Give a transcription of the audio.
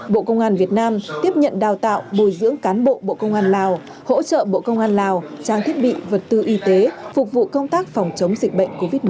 bộ công an việt nam tiếp nhận đào tạo bồi dưỡng cán bộ bộ công an lào hỗ trợ bộ công an lào trang thiết bị vật tư y tế phục vụ công tác phòng chống dịch bệnh covid một mươi chín